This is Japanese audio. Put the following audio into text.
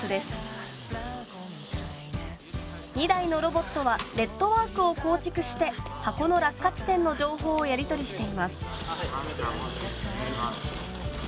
２台のロボットはネットワークを構築して箱の落下地点の情報をやり取りしています。